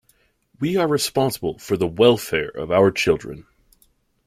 We are responsible for the welfare of our children.